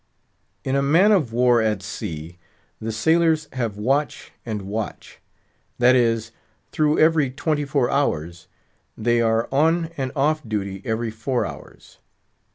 In a man of war at sea, the sailors have watch and watch; that is, through every twenty four hours, they are on and off duty every four hours.